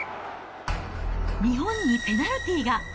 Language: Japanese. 日本にペナルティーが。